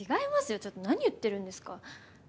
ちょっと何言ってるんですか！